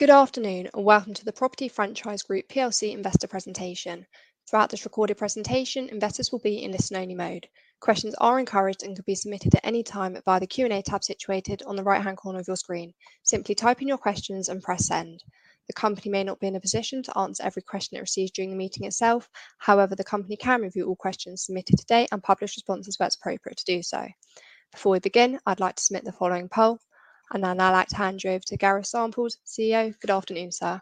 Good afternoon, and welcome to The Property Franchise Group PLC investor presentation. Throughout this recorded presentation, investors will be in listen-only mode. Questions are encouraged and can be submitted at any time via the Q&A tab situated on the right-hand corner of your screen. Simply type in your questions and press send. The company may not be in a position to answer every question it receives during the meeting itself; however, the company can review all questions submitted today and publish responses where it's appropriate to do so. Before we begin, I'd like to submit the following poll, and I'll now like to hand you over to Gareth Samples, CEO. Good afternoon, sir.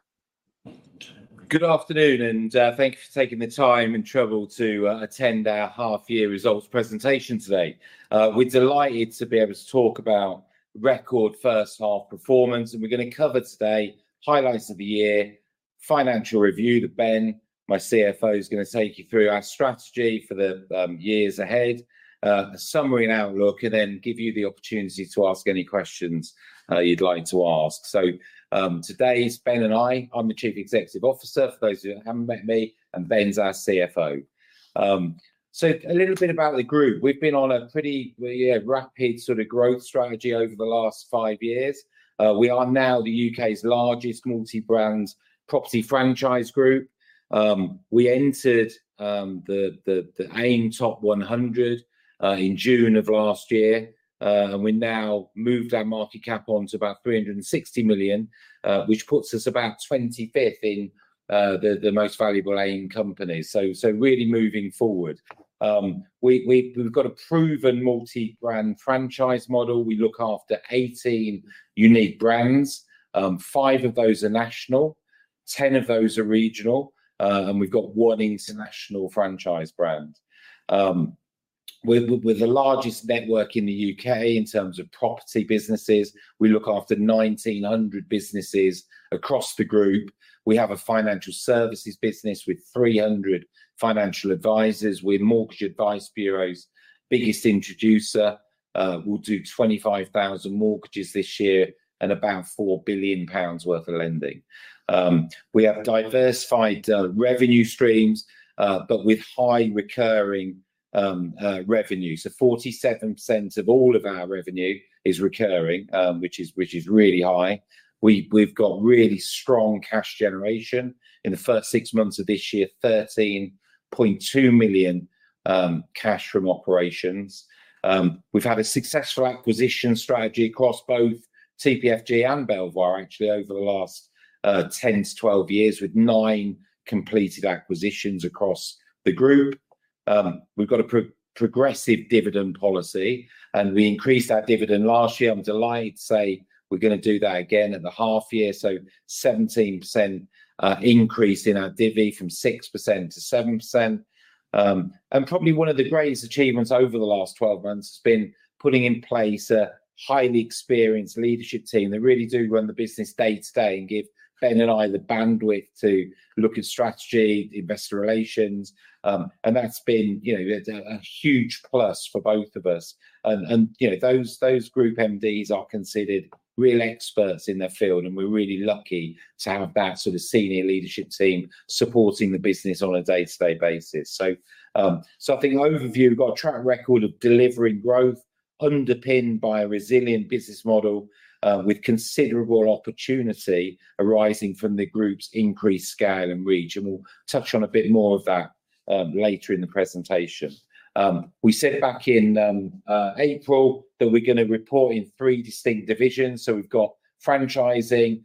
Good afternoon, and thank you for taking the time and trouble to attend our half-year results presentation today. We're delighted to be able to talk about record first-half performance, and we're going to cover today highlights of the year, financial review that Ben, my CFO, is going to take you through, our strategy for the years ahead, a summary and outlook, and then give you the opportunity to ask any questions you'd like to ask. So today it's Ben and I. I'm the Chief Executive Officer for those who haven't met me, and Ben's our CFO. So a little bit about the group. We've been on a pretty rapid sort of growth strategy over the last five years. We are now the U.K.'s largest multi-brand property franchise group. We entered the AIM Top 100 in June of last year, and we now moved our market cap on to about 360 million, which puts us about 25th in the most valuable AIM companies, so really moving forward, we've got a proven multi-brand franchise model. We look after 18 unique brands. Five of those are national, 10 of those are regional, and we've got one international franchise brand. We're the largest network in the U.K. in terms of property businesses. We look after 1,900 businesses across the group. We have a financial services business with 300 financial advisors. We're Mortgage Advice Bureau's biggest introducer. We'll do 25,000 mortgages this year and about 4 billion pounds worth of lending. We have diversified revenue streams, but with high recurring revenue, so 47% of all of our revenue is recurring, which is really high. We've got really strong cash generation. In the first six months of this year, 13.2 million cash from operations. We've had a successful acquisition strategy across both TPFG and Belvoir, actually over the last 10 to 12 years, with nine completed acquisitions across the group. We've got a progressive dividend policy, and we increased our dividend last year. I'm delighted to say we're going to do that again in the half year. So 17% increase in our divvy from 6%-7%. And probably one of the greatest achievements over the last 12 months has been putting in place a highly experienced leadership team that really do run the business day-to-day and give Ben and I the bandwidth to look at strategy, investor relations, and that's been a huge plus for both of us. Those group MDs are considered real experts in their field, and we're really lucky to have that sort of senior leadership team supporting the business on a day-to-day basis. I think overview, we've got a track record of delivering growth underpinned by a resilient business model with considerable opportunity arising from the group's increased scale and reach. We'll touch on a bit more of that later in the presentation. We said back in April that we're going to report in three distinct divisions. We've got franchising.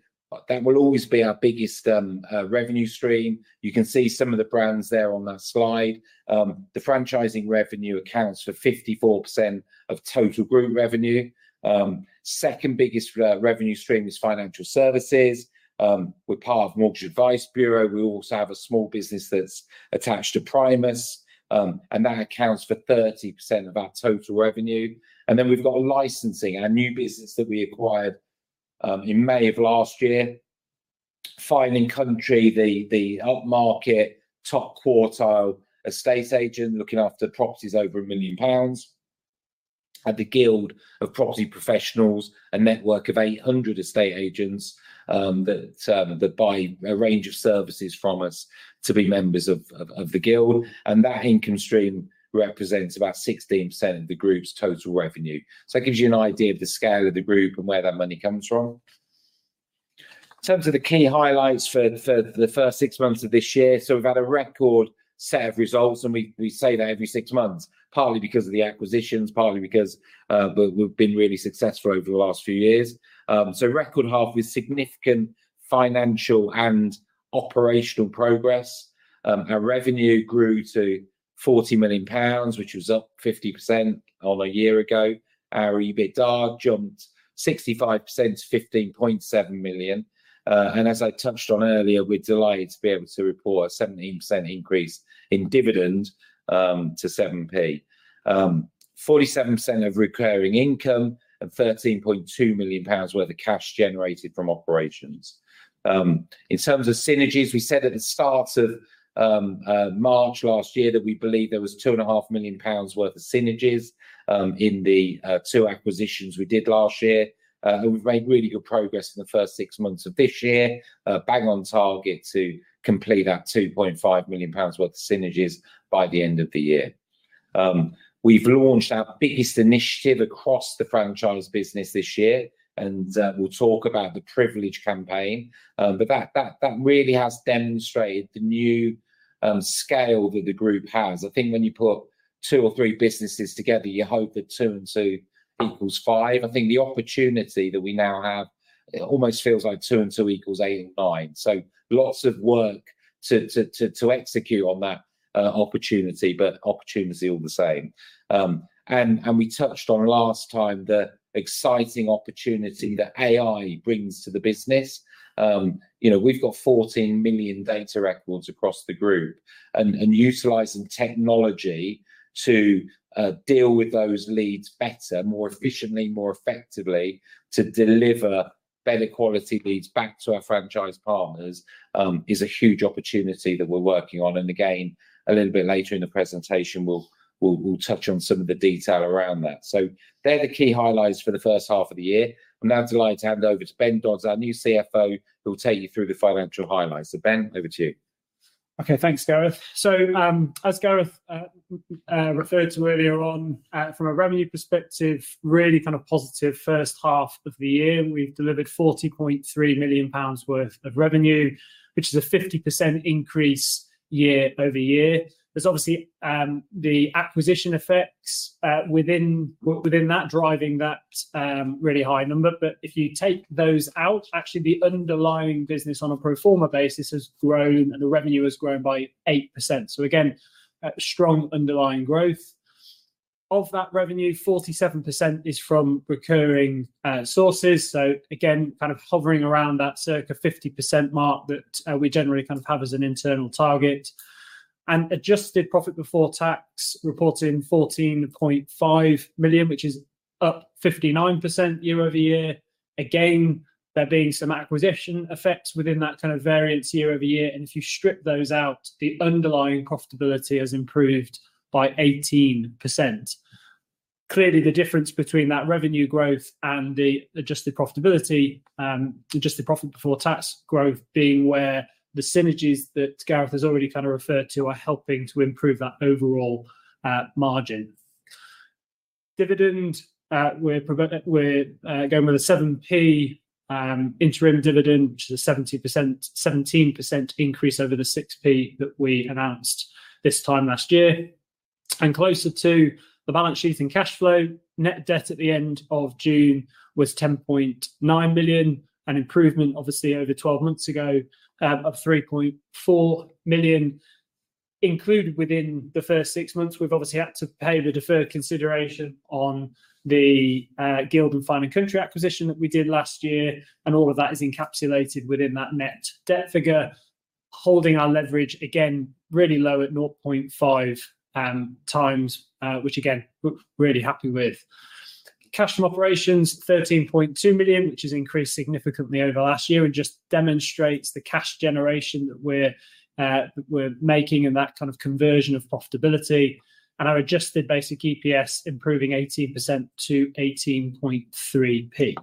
That will always be our biggest revenue stream. You can see some of the brands there on that slide. The franchising revenue accounts for 54% of total group revenue. Second biggest revenue stream is financial services. We're part of Mortgage Advice Bureau. We also have a small business that's attached to Primis, and that accounts for 30% of our total revenue, and then we've got licensing, our new business that we acquired in May of last year. Fine & Country, the upmarket top quartile estate agent looking after properties over 1 million pounds. Had The Guild of Property Professionals, a network of 800 estate agents that buy a range of services from us to be members of the Guild, and that income stream represents about 16% of the group's total revenue, so that gives you an idea of the scale of the group and where that money comes from. In terms of the key highlights for the first six months of this year, so we've had a record set of results, and we say that every six months, partly because of the acquisitions, partly because we've been really successful over the last few years. Record half with significant financial and operational progress. Our revenue grew to 40 million pounds, which was up 50% on a year ago. Our EBITDA jumped 65% to 15.7 million. As I touched on earlier, we're delighted to be able to report a 17% increase in dividend to 0.07. 47% of recurring income and 13.2 million pounds worth of cash generated from operations. In terms of synergies, we said at the start of March last year that we believe there was 2.5 million pounds worth of synergies in the two acquisitions we did last year. We've made really good progress in the first six months of this year, bang on target to complete that 2.5 million pounds worth of synergies by the end of the year. We've launched our biggest initiative across the franchise business this year, and we'll talk about the Privilege campaign, but that really has demonstrated the new scale that the group has. I think when you put two or three businesses together, you hope that two and two equals five. I think the opportunity that we now have almost feels like two and two equals eight or nine. Lots of work to execute on that opportunity, but opportunity all the same. We touched on last time the exciting opportunity that AI brings to the business. We've got 14 million data records across the group, and utilizing technology to deal with those leads better, more efficiently, more effectively to deliver better quality leads back to our franchise partners is a huge opportunity that we're working on. And again, a little bit later in the presentation, we'll touch on some of the detail around that. So they're the key highlights for the first half of the year. I'm now delighted to hand over to Ben Dodds, our new CFO, who will take you through the financial highlights. So Ben, over to you. Okay, thanks, Gareth. So as Gareth referred to earlier on, from a revenue perspective, really kind of positive first half of the year. We've delivered 40.3 million pounds worth of revenue, which is a 50% increase year-over-year. There's obviously the acquisition effects within that driving that really high number, but if you take those out, actually the underlying business on a pro forma basis has grown and the revenue has grown by 8%. So again, strong underlying growth. Of that revenue, 47% is from recurring sources. So again, kind of hovering around that circa 50% mark that we generally kind of have as an internal target. And adjusted profit before tax reported at 14.5 million, which is up 59% year-over-year. Again, there being some acquisition effects within that kind of variance year-over-year, and if you strip those out, the underlying profitability has improved by 18%. Clearly, the difference between that revenue growth and the adjusted profitability, adjusted profit before tax growth being where the synergies that Gareth has already kind of referred to are helping to improve that overall margin. Dividend, we're going with a 0.07 interim dividend, which is a 17% increase over the 0.06 that we announced this time last year. And closer to the balance sheet and cash flow, net debt at the end of June was 10.9 million, an improvement obviously over 12 months ago of 3.4 million. Included within the first six months, we've obviously had to pay the deferred consideration on the Guild and Fine & Country acquisition that we did last year, and all of that is encapsulated within that net debt figure, holding our leverage again really low at 0.5x, which again, we're really happy with. Cash from operations, 13.2 million, which has increased significantly over last year and just demonstrates the cash generation that we're making and that kind of conversion of profitability. And our adjusted basic EPS improving 18% to 0.183.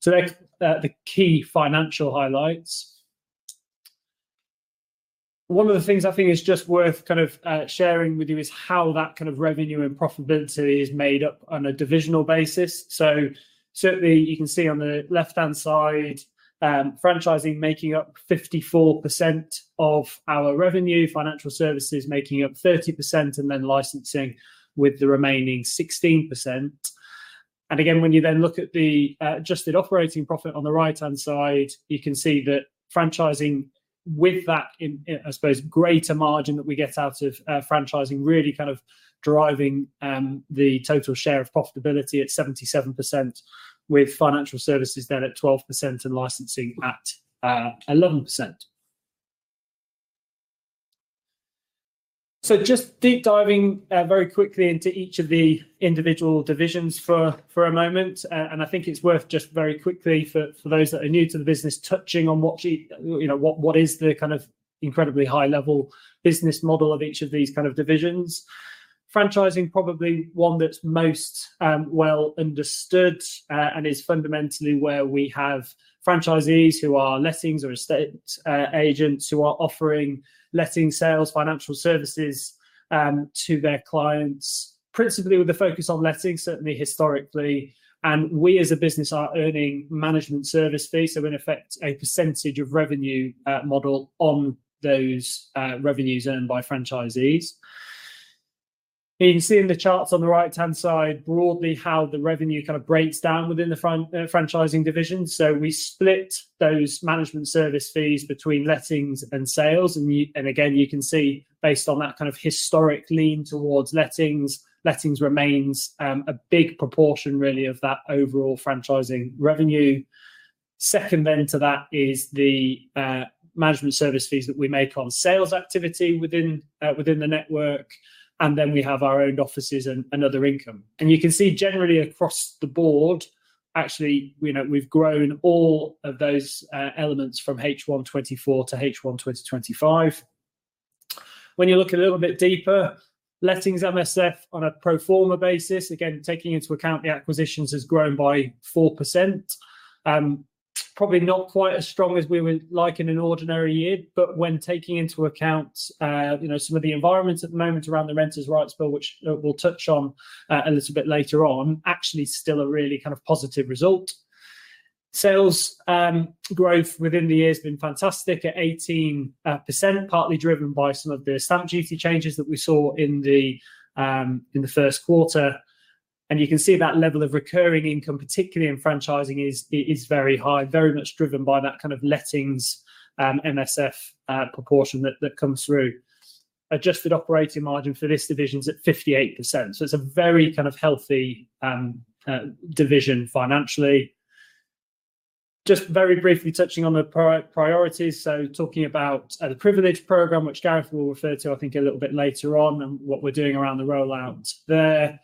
So they're the key financial highlights. One of the things I think is just worth kind of sharing with you is how that kind of revenue and profitability is made up on a divisional basis. So certainly you can see on the left-hand side, franchising making up 54% of our revenue, financial services making up 30%, and then licensing with the remaining 16%. And again, when you then look at the adjusted operating profit on the right-hand side, you can see that franchising with that, I suppose, greater margin that we get out of franchising really kind of driving the total share of profitability at 77%, with financial services then at 12% and licensing at 11%. So just deep diving very quickly into each of the individual divisions for a moment, and I think it's worth just very quickly for those that are new to the business touching on what is the kind of incredibly high-level business model of each of these kind of divisions. Franchising probably one that's most well understood and is fundamentally where we have franchisees who are lettings or estate agents who are offering letting sales, financial services to their clients, principally with a focus on letting, certainly historically. We as a business are earning management service fees, so in effect, a percentage of revenue model on those revenues earned by franchisees. You can see in the charts on the right-hand side broadly how the revenue kind of breaks down within the franchising division. We split those management service fees between lettings and sales. Again, you can see based on that kind of historic lean towards lettings, lettings remains a big proportion really of that overall franchising revenue. Second then to that is the management service fees that we make on sales activity within the network, and then we have our owned offices and other income. You can see generally across the board, actually, we've grown all of those elements from H1 2024 to H1 2025. When you look a little bit deeper, lettings MSF on a pro forma basis, again, taking into account the acquisitions has grown by 4%. Probably not quite as strong as we would like in an ordinary year, but when taking into account some of the environments at the moment around the Renters' Rights Bill, which we'll touch on a little bit later on, actually still a really kind of positive result. Sales growth within the year has been fantastic at 18%, partly driven by some of the Stamp Duty changes that we saw in the first quarter. And you can see that level of recurring income, particularly in franchising, is very high, very much driven by that kind of lettings MSF proportion that comes through. Adjusted operating margin for this division is at 58%. So it's a very kind of healthy division financially. Just very briefly touching on the priorities, so talking about the Privilege program, which Gareth will refer to, I think, a little bit later on, and what we're doing around the rollout there,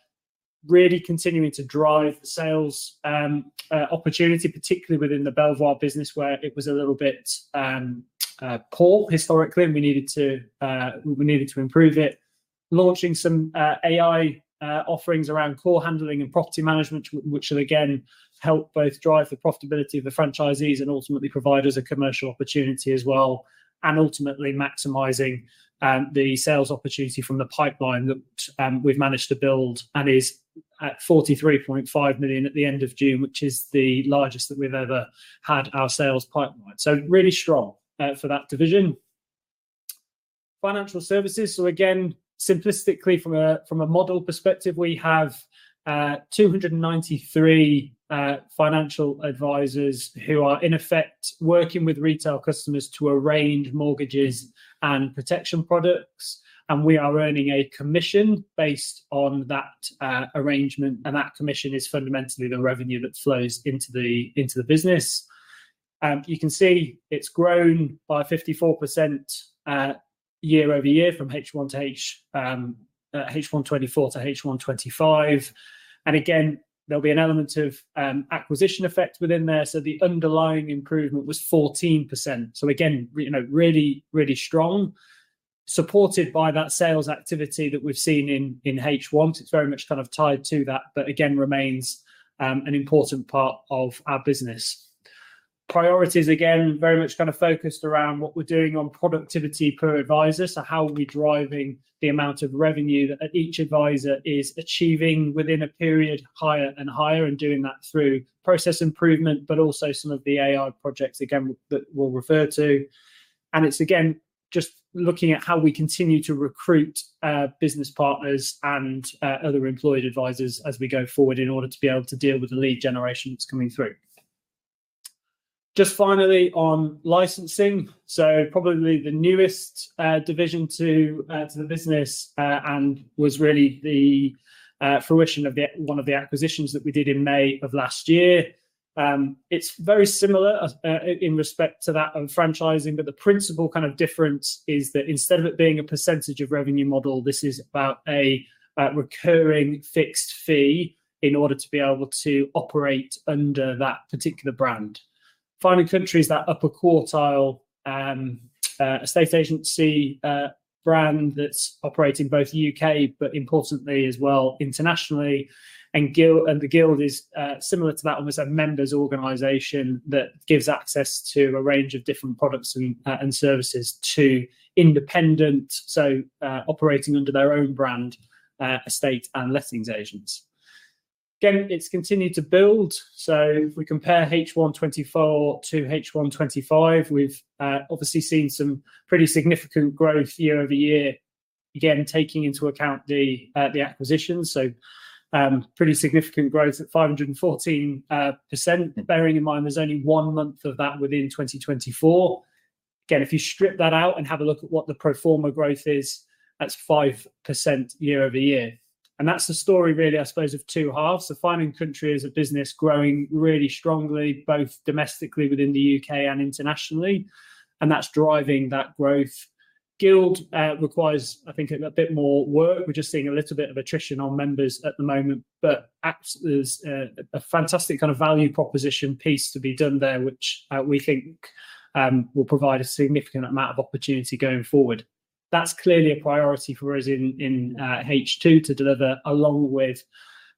really continuing to drive the sales opportunity, particularly within the Belvoir business, where it was a little bit poor historically, and we needed to improve it. Launching some AI offerings around core handling and property management, which will again help both drive the profitability of the franchisees and ultimately provide us a commercial opportunity as well, and ultimately maximizing the sales opportunity from the pipeline that we've managed to build and is at 43.5 million at the end of June, which is the largest that we've ever had our sales pipeline. Really strong for that division. Financial services, so again, simplistically from a model perspective, we have 293 financial advisors who are in effect working with retail customers to arrange mortgages and protection products, and we are earning a commission based on that arrangement, and that commission is fundamentally the revenue that flows into the business. You can see it's grown by 54% year-over-year from H1 2024 to H1 2025, and again, there'll be an element of acquisition effect within there, so the underlying improvement was 14%, so again, really, really strong, supported by that sales activity that we've seen in H1. It's very much kind of tied to that, but again, remains an important part of our business. Priorities, again, very much kind of focused around what we're doing on productivity per advisor, so how are we driving the amount of revenue that each advisor is achieving within a period higher and higher, and doing that through process improvement, but also some of the AI projects, again, that we'll refer to. And it's again, just looking at how we continue to recruit business partners and other employed advisors as we go forward in order to be able to deal with the lead generation that's coming through. Just finally on licensing, so probably the newest division to the business and was really the fruition of one of the acquisitions that we did in May of last year. It's very similar in respect to that of franchising, but the principal kind of difference is that instead of it being a percentage of revenue model, this is about a recurring fixed fee in order to be able to operate under that particular brand. Finally, Fine & Country is that upper quartile estate agency brand that's operating both in the U.K., but importantly as well internationally. And The Guild is similar to that almost a members' organization that gives access to a range of different products and services to independent, so operating under their own brand, estate and lettings agents. Again, it's continued to build. So if we compare H1 2024 to H1 2025, we've obviously seen some pretty significant growth year-over-year, again, taking into account the acquisitions. So pretty significant growth at 514%, bearing in mind there's only one month of that within 2024. Again, if you strip that out and have a look at what the pro forma growth is, that's 5% year-over-year. And that's the story really, I suppose, of two halves. Fine & Country is a business growing really strongly, both domestically within the U.K. and internationally, and that's driving that growth. The Guild requires, I think, a bit more work. We're just seeing a little bit of attrition on members at the moment, but there's a fantastic kind of value proposition piece to be done there, which we think will provide a significant amount of opportunity going forward. That's clearly a priority for us in H2 to deliver along with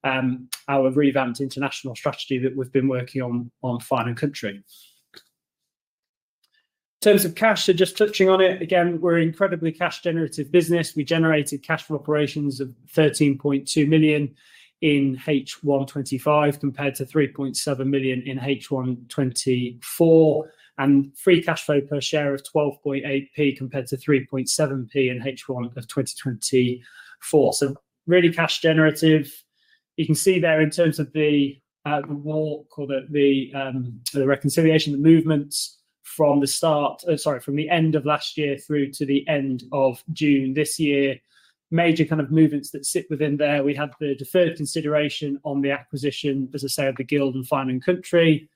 our revamped international strategy that we've been working on on Fine & Country. In terms of cash, so just touching on it, again, we're an incredibly cash-generative business. We generated cash from operations of 13.2 million in H1 2025 compared to 3.7 million in H1 2024, and free cash flow per share of 0.128 compared to 0.037 in H1 of 2024. So really cash-generative. You can see there in terms of the walk or the reconciliation, the movements from the start, sorry, from the end of last year through to the end of June this year, major kind of movements that sit within there. We had the deferred consideration on the acquisition, as I say, of The Guild and Fine & Country.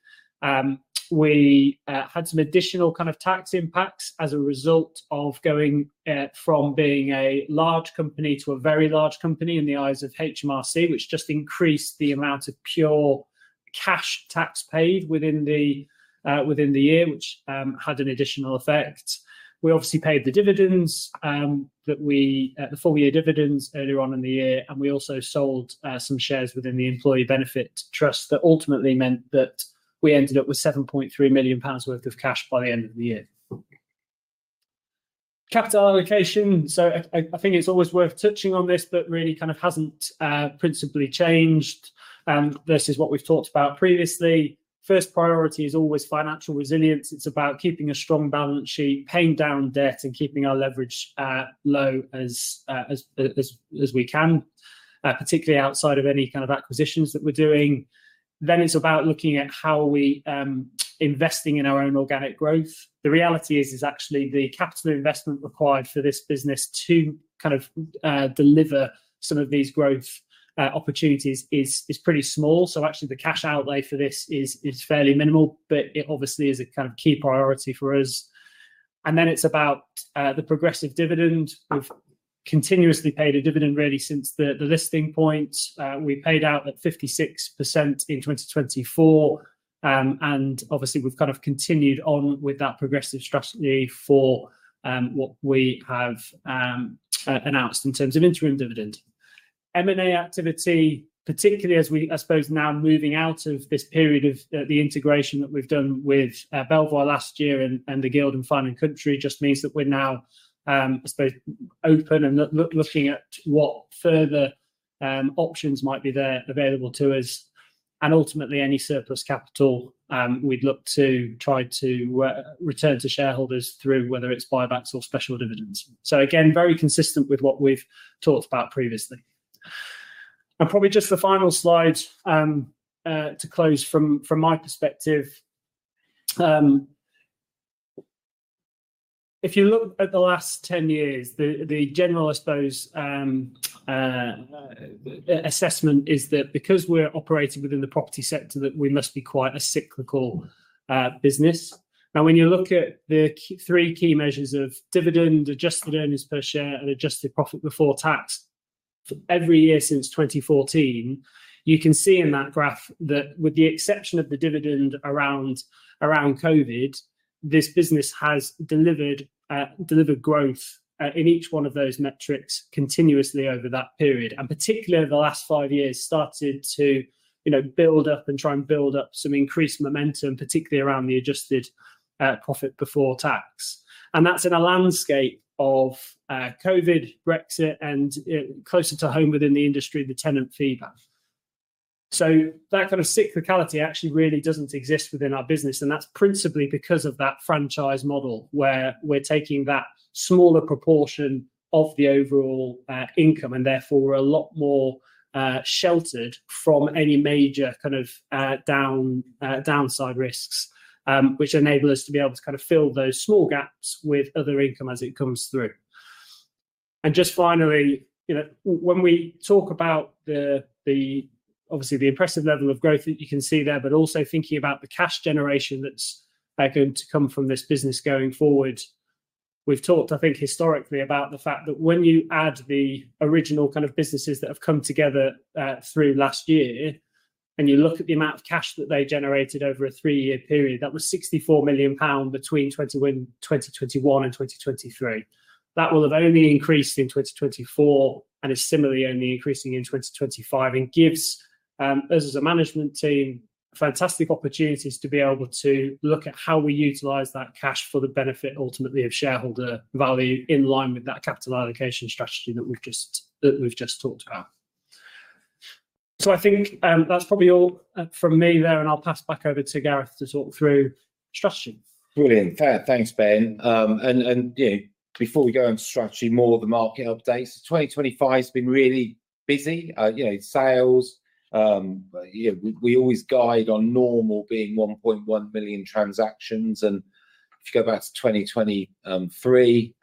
We had some additional kind of tax impacts as a result of going from being a large company to a very large company in the eyes of HMRC, which just increased the amount of pure cash tax paid within the year, which had an additional effect. We obviously paid the dividends that we had, the full year dividends earlier on in the year, and we also sold some shares within the Employee Benefit Trust that ultimately meant that we ended up with 7.3 million pounds worth of cash by the end of the year. Capital allocation, so I think it's always worth touching on this, but really kind of hasn't principally changed versus what we've talked about previously. First priority is always financial resilience. It's about keeping a strong balance sheet, paying down debt, and keeping our leverage low as we can, particularly outside of any kind of acquisitions that we're doing. Then it's about looking at how we are investing in our own organic growth. The reality is actually the capital investment required for this business to kind of deliver some of these growth opportunities is pretty small. So actually the cash outlay for this is fairly minimal, but it obviously is a kind of key priority for us. And then it's about the progressive dividend. We've continuously paid a dividend really since the listing point. We paid out at 56% in 2024, and obviously we've kind of continued on with that progressive strategy for what we have announced in terms of interim dividend. M&A activity, particularly as we, I suppose, now moving out of this period of the integration that we've done with Belvoir last year and the Guild and Fine & Country just means that we're now, I suppose, open and looking at what further options might be there available to us. And ultimately, any surplus capital we'd look to try to return to shareholders through whether it's buybacks or special dividends. So again, very consistent with what we've talked about previously. And probably just the final slides to close from my perspective. If you look at the last 10 years, the general, I suppose, assessment is that because we're operating within the property sector, that we must be quite a cyclical business. Now, when you look at the three key measures of dividend, adjusted earnings per share, and adjusted profit before tax for every year since 2014, you can see in that graph that with the exception of the dividend around COVID, this business has delivered growth in each one of those metrics continuously over that period, and particularly over the last five years started to build up and try and build up some increased momentum, particularly around the adjusted profit before tax. And that's in a landscape of COVID, Brexit, and closer to home within the industry, the tenant fees ban. So that kind of cyclicality actually really doesn't exist within our business, and that's principally because of that franchise model where we're taking that smaller proportion of the overall income and therefore we're a lot more sheltered from any major kind of downside risks, which enable us to be able to kind of fill those small gaps with other income as it comes through. And just finally, when we talk about the, obviously, the impressive level of growth that you can see there, but also thinking about the cash generation that's going to come from this business going forward, we've talked, I think, historically about the fact that when you add the original kind of businesses that have come together through last year and you look at the amount of cash that they generated over a three-year period, that was 64 million pound between 2021 and 2023. That will have only increased in 2024 and is similarly only increasing in 2025 and gives us as a management team fantastic opportunities to be able to look at how we utilize that cash for the benefit ultimately of shareholder value in line with that capital allocation strategy that we've just talked about. So I think that's probably all from me there, and I'll pass back over to Gareth to talk through strategy. Brilliant. Thanks, Ben. And before we go into strategy, more of the market updates. 2025 has been really busy. Sales, we always guide on normal being 1.1 million transactions. And if you go back to 2023,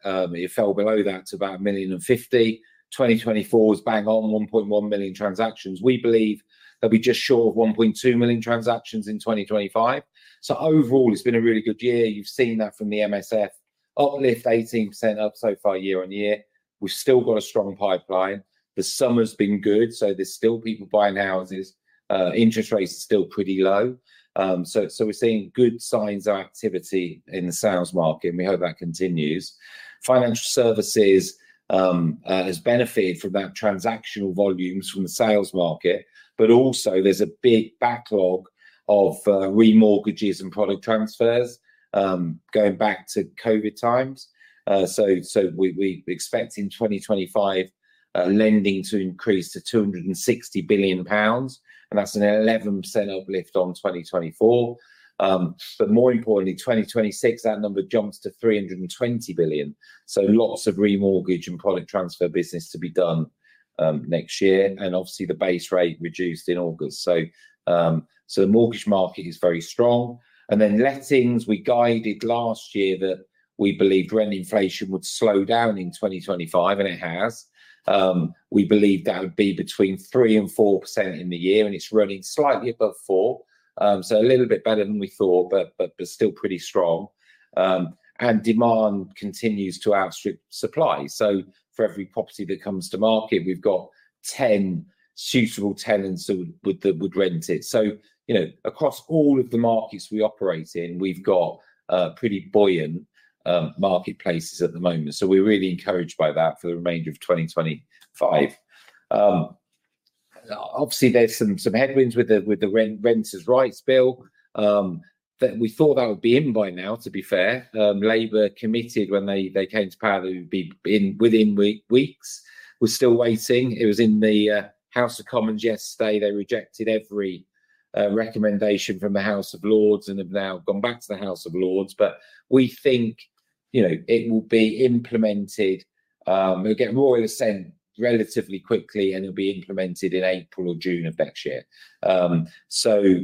it fell below that to about a 1,050,000. 2024 was bang on 1.1 million transactions. We believe they'll be just short of 1.2 million transactions in 2025. So overall, it's been a really good year. You've seen that from the MSF uplift 18% up so far year-on-year. We've still got a strong pipeline. The summer's been good, so there's still people buying houses. Interest rates are still pretty low. So we're seeing good signs of activity in the sales market, and we hope that continues. Financial services has benefited from that transactional volumes from the sales market, but also there's a big backlog of remortgages and product transfers going back to COVID times. So we expect in 2025, lending to increase to 260 billion pounds, and that's an 11% uplift on 2024. But more importantly, 2026, that number jumps to 320 billion. So lots of remortgage and product transfer business to be done next year, and obviously the base rate reduced in August. So the mortgage market is very strong. And then lettings, we guided last year that we believed rent inflation would slow down in 2025, and it has. We believe that would be between 3% and 4% in the year, and it's running slightly above 4%. So a little bit better than we thought, but still pretty strong. And demand continues to outstrip supply. So for every property that comes to market, we've got 10 suitable tenants that would rent it. So across all of the markets we operate in, we've got pretty buoyant marketplaces at the moment. So we're really encouraged by that for the remainder of 2025. Obviously, there's some headwinds with the Renters' Rights Bill that we thought that would be in by now, to be fair. Labour committed when they came to power that it would be within weeks. We're still waiting. It was in the House of Commons yesterday. They rejected every recommendation from the House of Lords and have now gone back to the House of Lords. But we think it will be implemented. We'll get more of the sense relatively quickly, and it'll be implemented in April or June of next year. So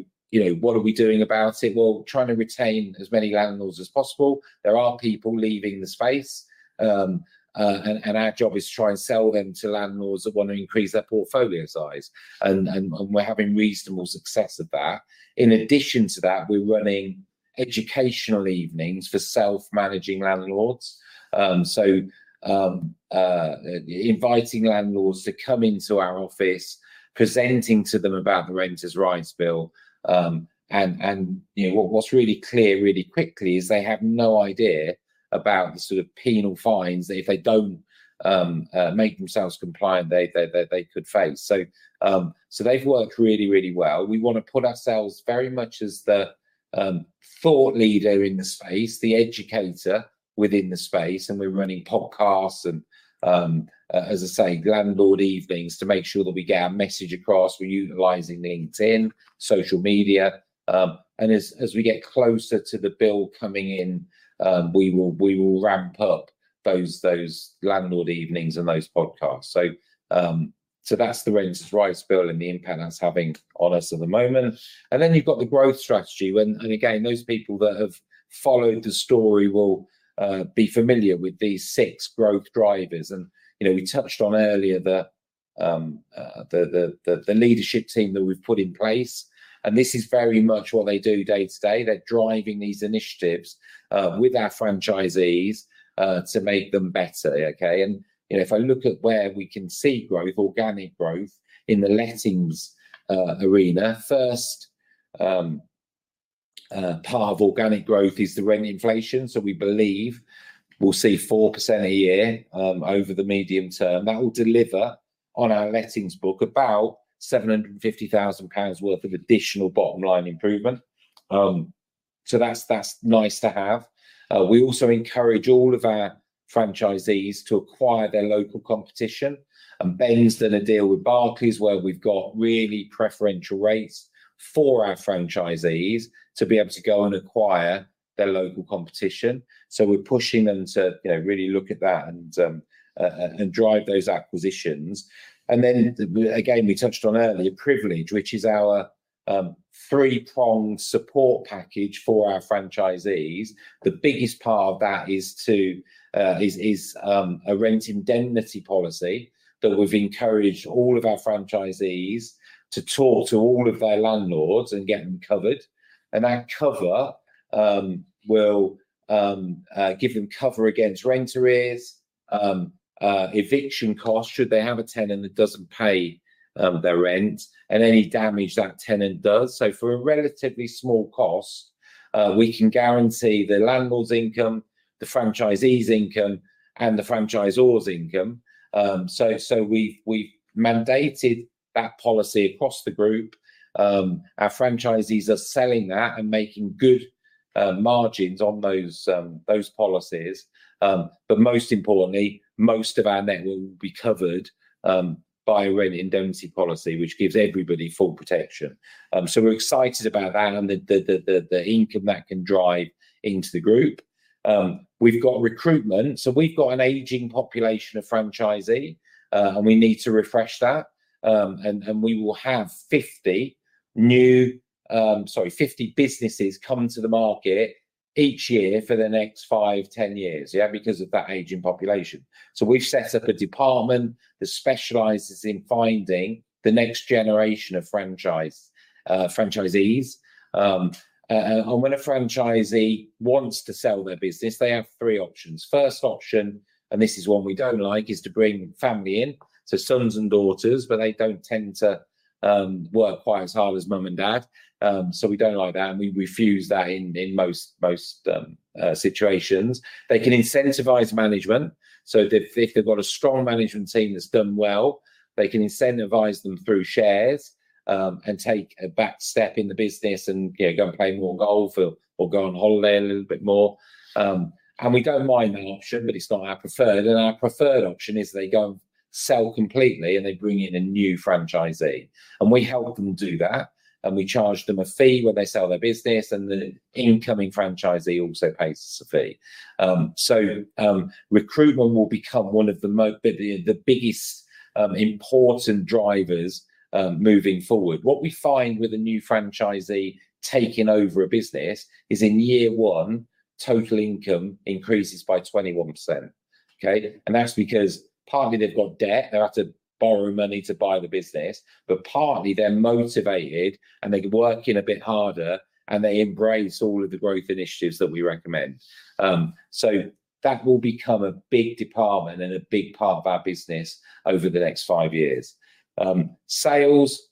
what are we doing about it? Well, trying to retain as many landlords as possible. There are people leaving the space, and our job is to try and sell them to landlords that want to increase their portfolio size. And we're having reasonable success of that. In addition to that, we're running educational evenings for self-managing landlords. So inviting landlords to come into our office, presenting to them about the Renters' Rights Bill. And what's really clear really quickly is they have no idea about the sort of penal fines that if they don't make themselves compliant, they could face. So they've worked really, really well. We want to put ourselves very much as the thought leader in the space, the educator within the space, and we're running podcasts and, as I say, landlord evenings to make sure that we get our message across. We're utilizing LinkedIn, social media. And as we get closer to the bill coming in, we will ramp up those landlord evenings and those podcasts. So that's the Renters' Rights Bill and the impact that's having on us at the moment. And then you've got the growth strategy. And again, those people that have followed the story will be familiar with these six growth drivers. And we touched on earlier the leadership team that we've put in place. And this is very much what they do day-to-day. They're driving these initiatives with our franchisees to make them better. If I look at where we can see growth, organic growth in the lettings arena, first part of organic growth is the rent inflation. So we believe we'll see 4% a year over the medium term. That will deliver on our lettings book about 750,000 pounds worth of additional bottom line improvement. So that's nice to have. We also encourage all of our franchisees to acquire their local competition. Ben's done a deal with Barclays where we've got really preferential rates for our franchisees to be able to go and acquire their local competition. So we're pushing them to really look at that and drive those acquisitions. Then, again, we touched on earlier Privilege, which is our three-pronged support package for our franchisees. The biggest part of that is a rent indemnity policy that we've encouraged all of our franchisees to talk to all of their landlords and get them covered. And that cover will give them cover against rent arrears, eviction costs should they have a tenant that doesn't pay their rent, and any damage that tenant does. So for a relatively small cost, we can guarantee the landlord's income, the franchisee's income, and the franchisor's income. So we've mandated that policy across the group. Our franchisees are selling that and making good margins on those policies. But most importantly, most of our network will be covered by a rent indemnity policy, which gives everybody full protection. So we're excited about that and the income that can drive into the group. We've got recruitment. So we've got an aging population of franchisee, and we need to refresh that. And we will have 50 new, sorry, 50 businesses come to the market each year for the next five, 10 years, yeah, because of that aging population. So we've set up a department that specializes in finding the next generation of franchisees. And when a franchisee wants to sell their business, they have three options. First option, and this is one we don't like, is to bring family in. So sons and daughters, but they don't tend to work quite as hard as mum and dad. So we don't like that, and we refuse that in most situations. They can incentivize management. So if they've got a strong management team that's done well, they can incentivize them through shares and take a back step in the business and go and play more golf or go on holiday a little bit more. And we don't mind that option, but it's not our preferred. Our preferred option is they go and sell completely and they bring in a new franchisee. And we help them do that, and we charge them a fee when they sell their business, and the incoming franchisee also pays us a fee. So recruitment will become one of the biggest important drivers moving forward. What we find with a new franchisee taking over a business is in year one, total income increases by 21%. And that's because partly they've got debt. They're out to borrow money to buy the business, but partly they're motivated and they can work in a bit harder, and they embrace all of the growth initiatives that we recommend. So that will become a big department and a big part of our business over the next five years. Sales,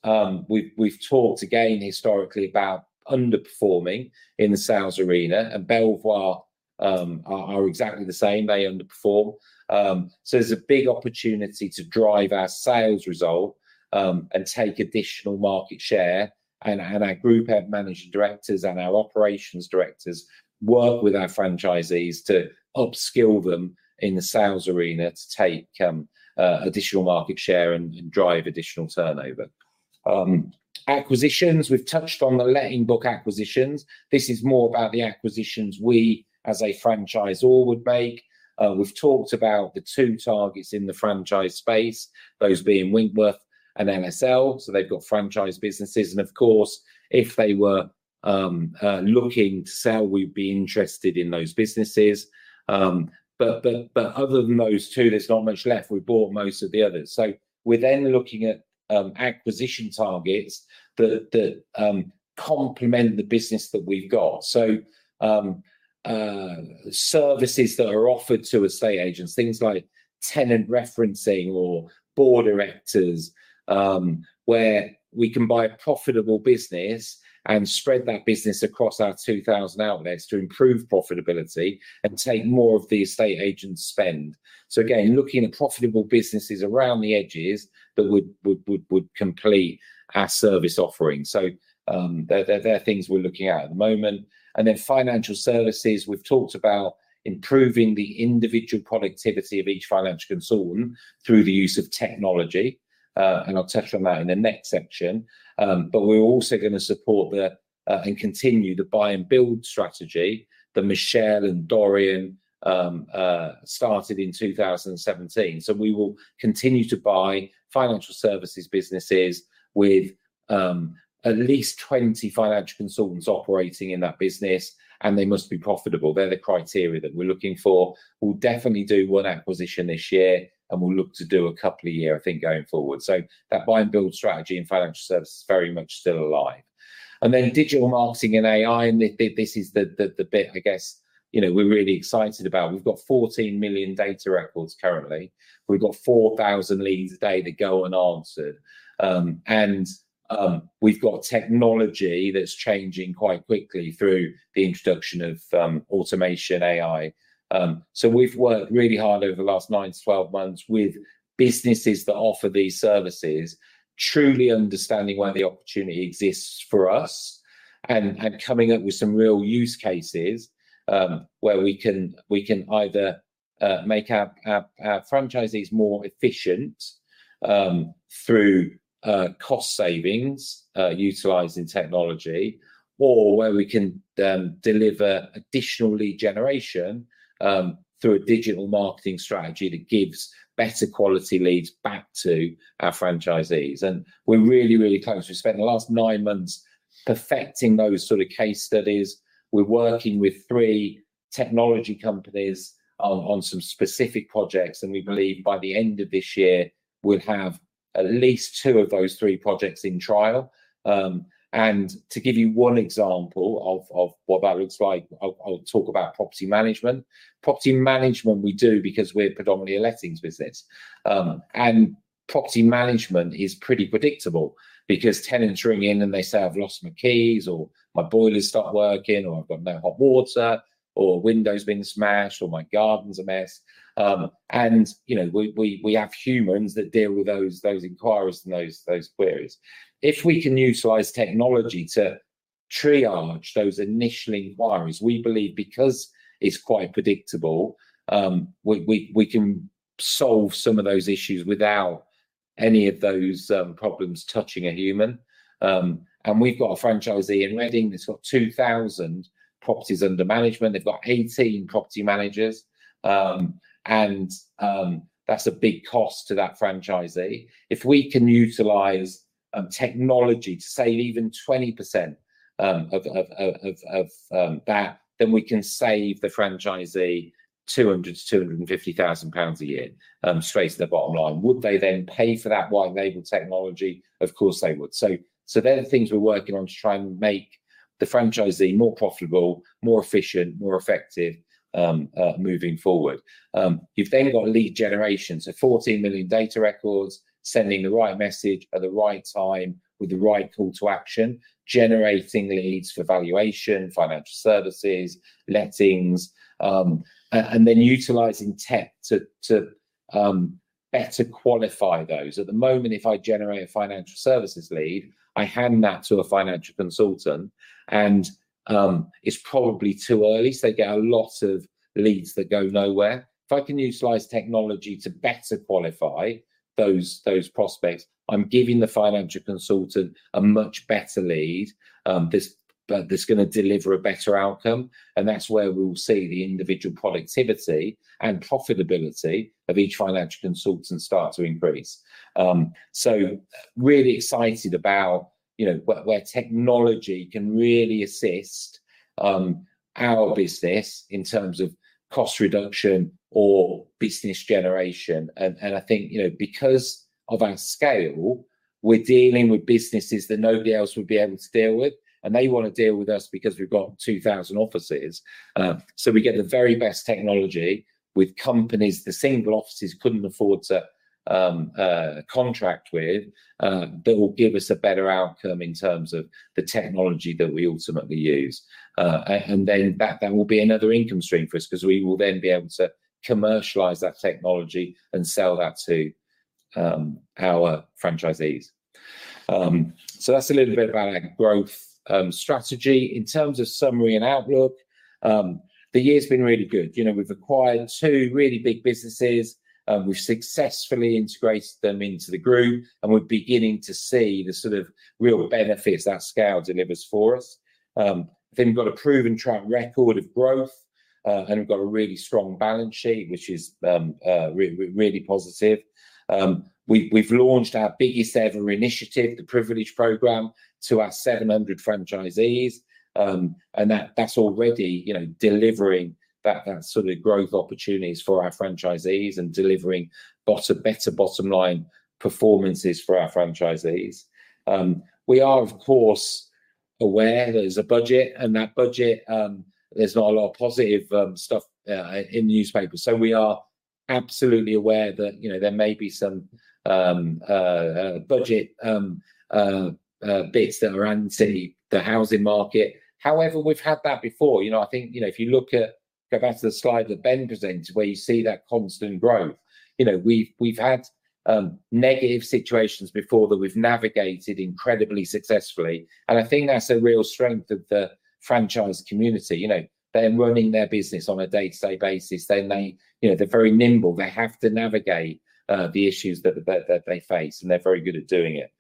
we've talked again historically about underperforming in the sales arena, and Belvoir are exactly the same. They underperform. So there's a big opportunity to drive our sales result and take additional market share. And our group head managing directors and our operations directors work with our franchisees to upskill them in the sales arena to take additional market share and drive additional turnover. Acquisitions, we've touched on the letting book acquisitions. This is more about the acquisitions we, as a franchisor, would make. We've talked about the two targets in the franchise space, those being Winkworth and LSL. So they've got franchise businesses. And of course, if they were looking to sell, we'd be interested in those businesses. But other than those two, there's not much left. We bought most of the others. So we're then looking at acquisition targets that complement the business that we've got. So services that are offered to estate agents, things like tenant referencing or board erectors, where we can buy a profitable business and spread that business across our 2,000 outlets to improve profitability and take more of the estate agent spend. So again, looking at profitable businesses around the edges that would complete our service offering. So they're things we're looking at at the moment. And then financial services, we've talked about improving the individual productivity of each financial consultant through the use of technology. And I'll touch on that in the next section. But we're also going to support and continue the buy and build strategy that Michelle and Dorian started in 2017. So we will continue to buy financial services businesses with at least 20 financial consultants operating in that business, and they must be profitable. They're the criteria that we're looking for. We'll definitely do one acquisition this year, and we'll look to do a couple of years, I think, going forward. That buy-and-build strategy in financial services is very much still alive. Then digital marketing and AI, and this is the bit, I guess, we're really excited about. We've got 14 million data records currently. We've got 4,000 leads a day that go unanswered. And we've got technology that's changing quite quickly through the introduction of automation AI. So we've worked really hard over the last nine to 12 months with businesses that offer these services, truly understanding why the opportunity exists for us and coming up with some real use cases where we can either make our franchisees more efficient through cost savings utilizing technology or where we can deliver additional lead generation through a digital marketing strategy that gives better quality leads back to our franchisees. And we're really, really close. We've spent the last nine months perfecting those sort of case studies. We're working with three technology companies on some specific projects, and we believe by the end of this year, we'll have at least two of those three projects in trial. And to give you one example of what that looks like, I'll talk about property management. Property management we do because we're predominantly a lettings business. Property management is pretty predictable because tenants ring in and they say, "I've lost my keys," or, "My boiler's stop working," or, "I've got no hot water," or, "Window's been smashed," or, "My garden's a mess." We have humans that deal with those inquiries and those queries. If we can utilize technology to triage those initial inquiries, we believe because it's quite predictable, we can solve some of those issues without any of those problems touching a human. We've got a franchisee in Reading. It's got 2,000 properties under management. They've got 18 property managers. That's a big cost to that franchisee. If we can utilize technology to save even 20% of that, then we can save the franchisee 200,000-250,000 pounds a year straight to the bottom line. Would they then pay for that white label technology? Of course, they would. So they're the things we're working on to try and make the franchisee more profitable, more efficient, more effective moving forward. You've then got lead generation. So 14 million data records sending the right message at the right time with the right call to action, generating leads for valuation, financial services, lettings, and then utilizing tech to better qualify those. At the moment, if I generate a financial services lead, I hand that to a financial consultant, and it's probably too early. So they get a lot of leads that go nowhere. If I can utilize technology to better qualify those prospects, I'm giving the financial consultant a much better lead that's going to deliver a better outcome. And that's where we'll see the individual productivity and profitability of each financial consultant start to increase. So, really excited about where technology can really assist our business in terms of cost reduction or business generation. And I think because of our scale, we're dealing with businesses that nobody else would be able to deal with, and they want to deal with us because we've got 2,000 offices. So we get the very best technology with companies the single offices couldn't afford to contract with that will give us a better outcome in terms of the technology that we ultimately use. And then that will be another income stream for us because we will then be able to commercialize that technology and sell that to our franchisees. So that's a little bit about our growth strategy. In terms of summary and outlook, the year has been really good. We've acquired two really big businesses. We've successfully integrated them into the group, and we're beginning to see the sort of real benefits that scale delivers for us. Then we've got a proven track record of growth, and we've got a really strong balance sheet, which is really positive. We've launched our biggest ever initiative, the Privilege Program, to our 700 franchisees, and that's already delivering that sort of growth opportunities for our franchisees and delivering better bottom line performances for our franchisees. We are, of course, aware there's a budget, and that budget, there's not a lot of positive stuff in the newspapers, so we are absolutely aware that there may be some budget bits that are anti the housing market. However, we've had that before. I think if you look at, go back to the slide that Ben presented where you see that constant growth, we've had negative situations before that we've navigated incredibly successfully, and I think that's a real strength of the franchise community. They're running their business on a day-to-day basis. They're very nimble. They have to navigate the issues that they face, and they're very good at doing it.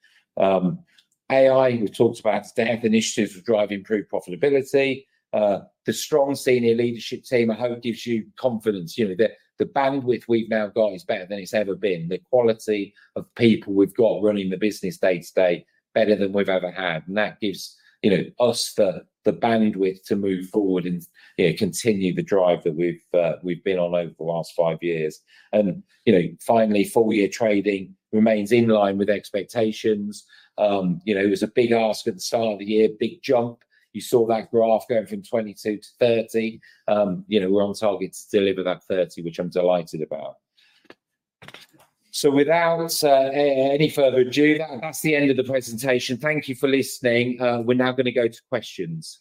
AI, we've talked about, they have initiatives to drive improved profitability. The strong senior leadership team, I hope, gives you confidence. The bandwidth we've now got is better than it's ever been. The quality of people we've got running the business day-to-day better than we've ever had, and that gives us the bandwidth to move forward and continue the drive that we've been on over the last five years, and finally, full year trading remains in line with expectations. It was a big ask at the start of the year, big jump. You saw that graph going from 22 to 30. We're on target to deliver that 30, which I'm delighted about. So without any further ado, that's the end of the presentation. Thank you for listening. We're now going to go to questions.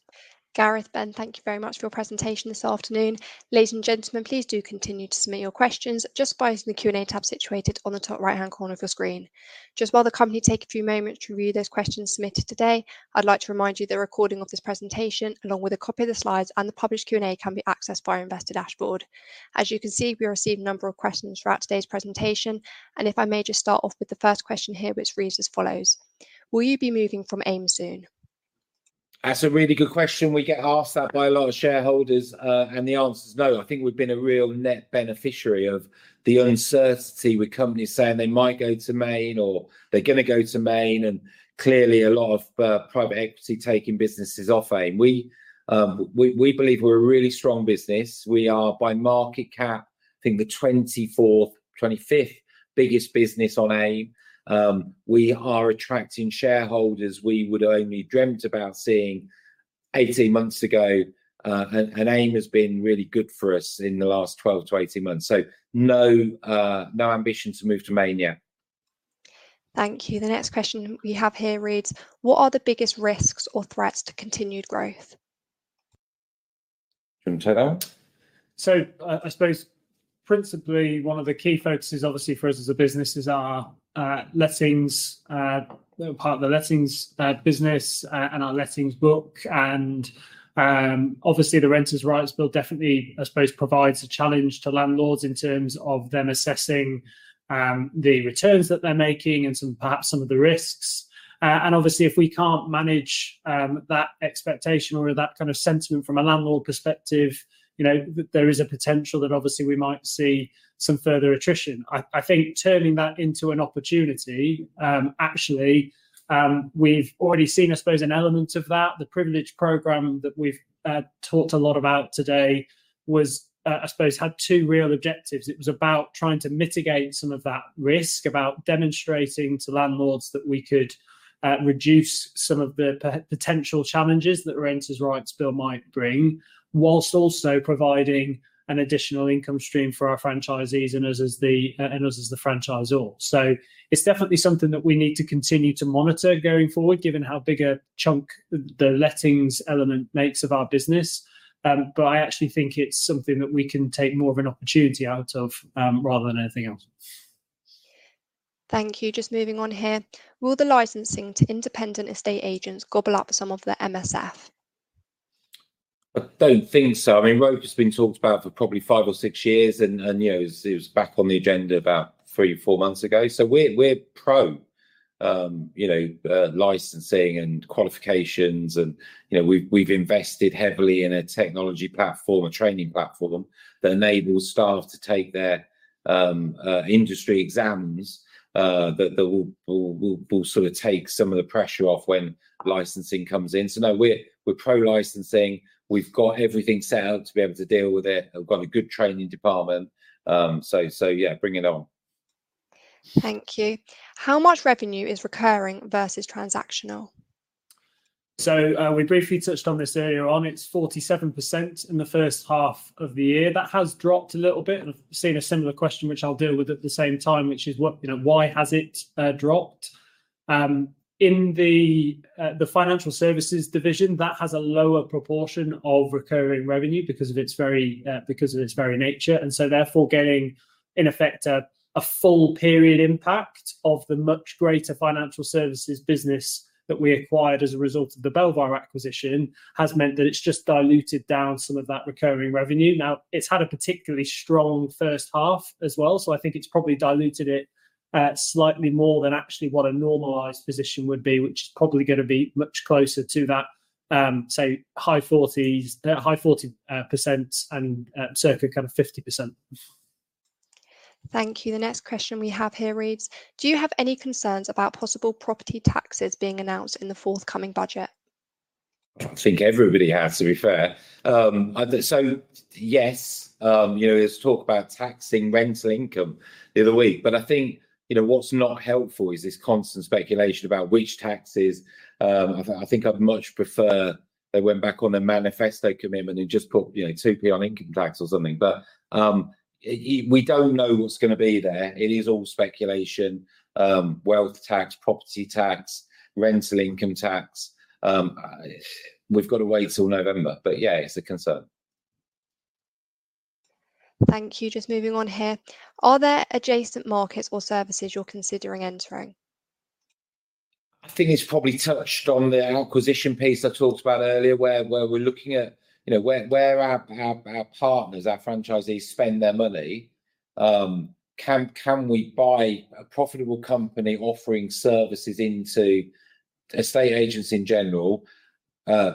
Gareth, Ben, thank you very much for your presentation this afternoon. Ladies and gentlemen, please do continue to submit your questions just by using the Q&A tab situated on the top right-hand corner of your screen. Just while the company takes a few moments to review those questions submitted today, I'd like to remind you that the recording of this presentation, along with a copy of the slides and the published Q&A, can be accessed via Investor Dashboard. As you can see, we received a number of questions throughout today's presentation. And if I may just start off with the first question here, which reads as follows: Will you be moving from AIM soon? That's a really good question. We get asked that by a lot of shareholders, and the answer is no. I think we've been a real net beneficiary of the uncertainty with companies saying they might go to Main or they're going to go to Main. And clearly, a lot of private equity taking businesses off AIM. We believe we're a really strong business. We are, by market cap, I think the 24th, 25th biggest business on AIM. We are attracting shareholders we would only dreamt about seeing 18 months ago, and AIM has been really good for us in the last 12-18 months. So no ambition to move to Main yet. Thank you. The next question we have here reads, "What are the biggest risks or threats to continued growth?" Can you take that one? So I suppose, principally, one of the key focuses, obviously, for us as a business is our lettings. We're part of the lettings business and our lettings book. And obviously, the Renters' Rights Bill definitely, I suppose, provides a challenge to landlords in terms of them assessing the returns that they're making and perhaps some of the risks. And obviously, if we can't manage that expectation or that kind of sentiment from a landlord perspective, there is a potential that obviously we might see some further attrition. I think turning that into an opportunity, actually, we've already seen, I suppose, an element of that. The Privilege Program that we've talked a lot about today was, I suppose, had two real objectives. It was about trying to mitigate some of that risk, about demonstrating to landlords that we could reduce some of the potential challenges that Renters' Rights Bill might bring, while also providing an additional income stream for our franchisees and us as the franchisor. So it's definitely something that we need to continue to monitor going forward, given how big a chunk the lettings element makes of our business. But I actually think it's something that we can take more of an opportunity out of rather than anything else. Thank you. Just moving on here. Will the licensing to independent estate agents gobble up some of the MSF? I don't think so. I mean, RoPA has been talked about for probably five or six years, and it was back on the agenda about three or four months ago. So we're pro-licensing and qualifications. And we've invested heavily in a technology platform, a training platform that enables staff to take their industry exams that will sort of take some of the pressure off when licensing comes in. So no, we're pro-licensing. We've got everything set up to be able to deal with it. We've got a good training department. So yeah, bring it on. Thank you. How much revenue is recurring versus transactional? So we briefly touched on this earlier on. It's 47% in the first half of the year. That has dropped a little bit. And I've seen a similar question, which I'll deal with at the same time, which is why has it dropped? In the financial services division, that has a lower proportion of recurring revenue because of its very nature. And so therefore, getting, in effect, a full period impact of the much greater financial services business that we acquired as a result of the Belvoir acquisition has meant that it's just diluted down some of that recurring revenue. Now, it's had a particularly strong first half as well. So I think it's probably diluted it slightly more than actually what a normalized position would be, which is probably going to be much closer to that, say, high 40% and circa kind of 50%. Thank you. The next question we have here reads, do you have any concerns about possible property taxes being announced in the forthcoming budget? I think everybody has, to be fair. So yes, there's talk about taxing rental income the other week. But I think what's not helpful is this constant speculation about which taxes. I think I'd much prefer they went back on their manifesto commitment and just put 2% on income tax or something. But we don't know what's going to be there. It is all speculation, wealth tax, property tax, rental income tax. We've got to wait till November. But yeah, it's a concern. Thank you. Just moving on here. Are there adjacent markets or services you're considering entering? I think it's probably touched on the acquisition piece I talked about earlier, where we're looking at where our partners, our franchisees, spend their money. Can we buy a profitable company offering services into estate agents in general,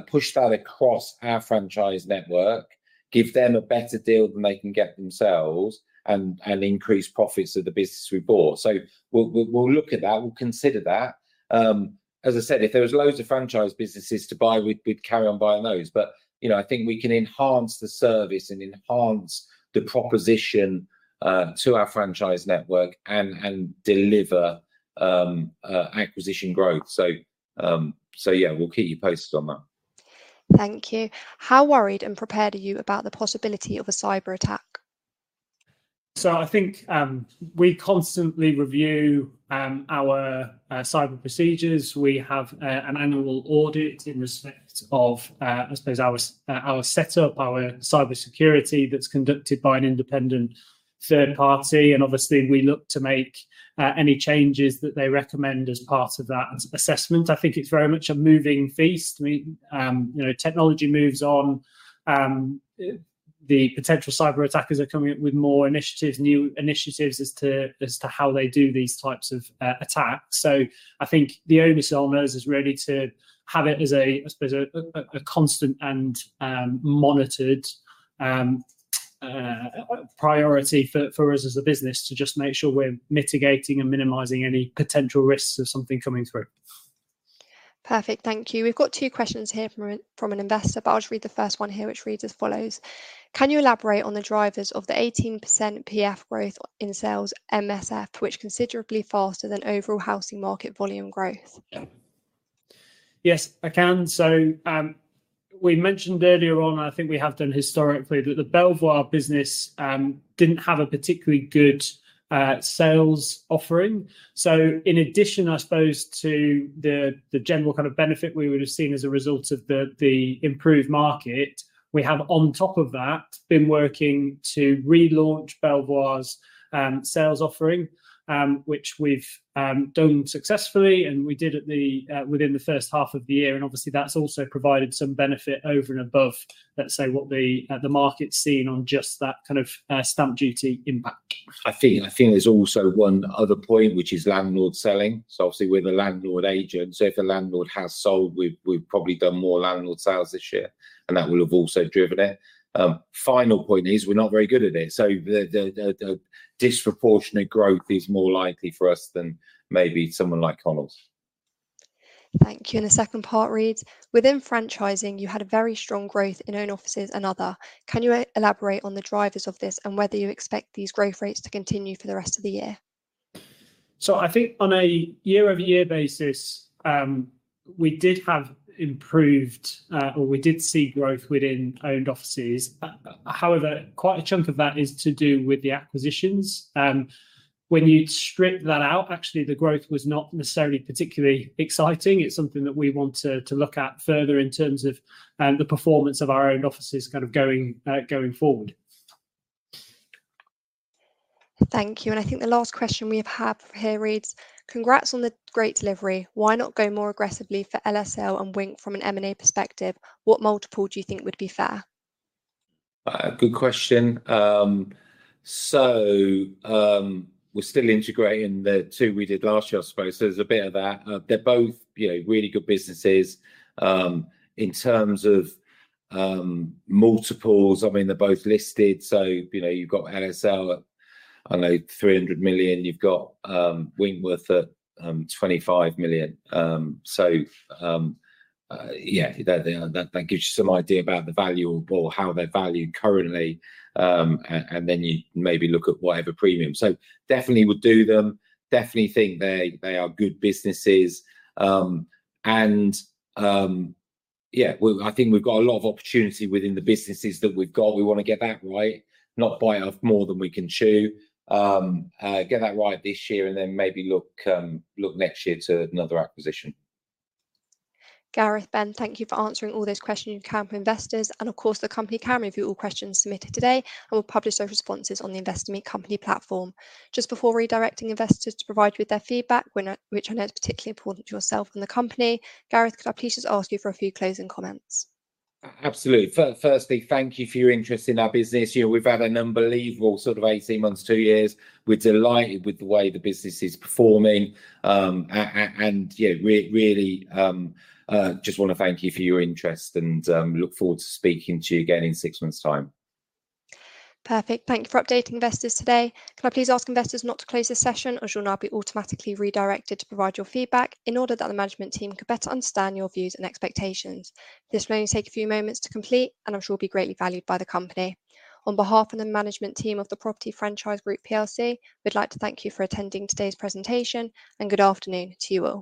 push that across our franchise network, give them a better deal than they can get themselves, and increase profits of the business we bought? So we'll look at that. We'll consider that. As I said, if there were loads of franchise businesses to buy, we'd carry on buying those. But I think we can enhance the service and enhance the proposition to our franchise network and deliver acquisition growth. So yeah, we'll keep you posted on that. Thank you. How worried and prepared are you about the possibility of a cyber attack? So I think we constantly review our cyber procedures. We have an annual audit in respect of, I suppose, our setup, our cyber security that's conducted by an independent third party. And obviously, we look to make any changes that they recommend as part of that assessment. I think it's very much a moving feast. Technology moves on. The potential cyber attackers are coming up with more initiatives, new initiatives as to how they do these types of attacks. So I think the onus on us is really to have it as a, I suppose, a constant and monitored priority for us as a business to just make sure we're mitigating and minimizing any potential risks of something coming through. Perfect. Thank you. We've got two questions here from an investor, but I'll just read the first one here, which reads as follows. Can you elaborate on the drivers of the 18% PF growth in sales MSF, which is considerably faster than overall housing market volume growth? Yes, I can. So we mentioned earlier on, and I think we have done historically, that the Belvoir business didn't have a particularly good sales offering. In addition, I suppose, to the general kind of benefit we would have seen as a result of the improved market, we have, on top of that, been working to relaunch Belvoir's sales offering, which we've done successfully, and we did within the first half of the year, and obviously, that's also provided some benefit over and above, let's say, what the market's seen on just that kind of Stamp Duty impact. I think there's also one other point, which is landlord selling, so obviously, we're the letting agent, so if a landlord has sold, we've probably done more landlord sales this year, and that will have also driven it. Final point is we're not very good at it, so the disproportionate growth is more likely for us than maybe someone like Connells. Thank you. The second part reads, within franchising, you had a very strong growth in owned offices and other. Can you elaborate on the drivers of this and whether you expect these growth rates to continue for the rest of the year? I think on a year-over-year basis, we did have improved, or we did see growth within owned offices. However, quite a chunk of that is to do with the acquisitions. When you strip that out, actually, the growth was not necessarily particularly exciting. It's something that we want to look at further in terms of the performance of our owned offices kind of going forward. Thank you. I think the last question we have here reads, congrats on the great delivery. Why not go more aggressively for LSL and Wink from an M&A perspective? What multiple do you think would be fair? Good question. So we're still integrating the two we did last year, I suppose. So there's a bit of that. They're both really good businesses in terms of multiples. I mean, they're both listed. So you've got LSL at, I don't know, 300 million. You've got Winkworth at 25 million. So yeah, that gives you some idea about the value or how they're valued currently. And then you maybe look at whatever premium. So definitely would do them. Definitely think they are good businesses. And yeah, I think we've got a lot of opportunity within the businesses that we've got. We want to get that right, not bite off more than we can chew. Get that right this year and then maybe look next year to another acquisition. Gareth, Ben, thank you for answering all those questions you can for investors. And of course, the company can review all questions submitted today and will publish those responses on the Investor Meet Company platform. Just before redirecting investors to provide you with their feedback, which I know is particularly important to yourself and the company, Gareth, could I please just ask you for a few closing comments? Absolutely. Firstly, thank you for your interest in our business. We've had an unbelievable sort of 18 months, two years. We're delighted with the way the business is performing. And really just want to thank you for your interest and look forward to speaking to you again in six months' time. Perfect. Thank you for updating investors today. Can I please ask investors not to close the session, as you'll now be automatically redirected to provide your feedback in order that the management team can better understand your views and expectations? This will only take a few moments to complete, and I'm sure it'll be greatly valued by the company. On behalf of the management team of The Property Franchise Group PLC, we'd like to thank you for attending today's presentation, and good afternoon to you all.